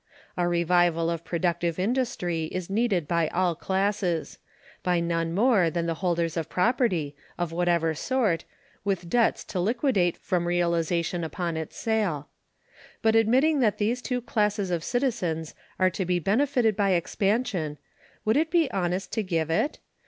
A revival of productive industry is needed by all classes; by none more than the holders of property, of whatever sort, with debts to liquidate from realization upon its sale. But admitting that these two classes of citizens are to be benefited by expansion, would it be honest to give it?